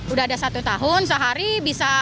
udah ada satu tahun sehari bisa